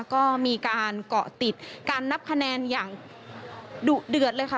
ก็มีการเกาะติดการนับคะแนนอย่างดุเดือดเลยค่ะ